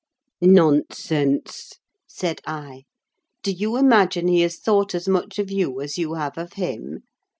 "Nonsense!" said I, "do you imagine he has thought as much of you as you have of him?